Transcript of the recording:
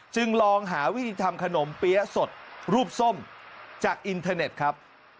ลองหาวิธีทำขนมเปี๊ยะสดรูปส้มจากอินเทอร์เน็ตครับ